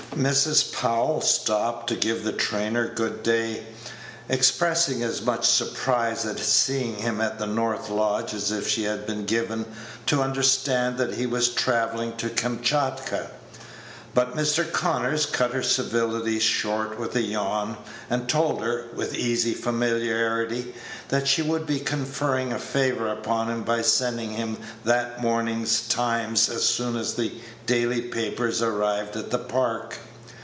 Mrs. Powell stopped to give the trainer good day, expressing as much surprise at seeing him at the north lodge as if she had been given to understand that he was travelling to Kamtchatka; but Mr. Conyers cut her civilities short with a yawn, and told her, with easy familiarity, that she would be conferring a favor upon him by sending him that morning's Times as soon as the daily papers arrived at the Park.